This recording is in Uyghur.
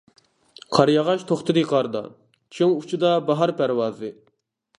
قاراياغاچ توختىدى قاردا، چىڭ ئۇچىدا باھار پەرۋازى.